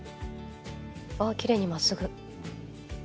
あきれいにまっすぐ。